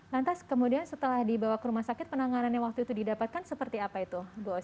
lantas kemudian setelah dibawa ke rumah sakit penanganannya waktu itu didapatkan seperti apa itu gus